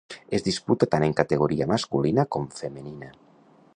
Es disputa tant en categoria masculina com femenina.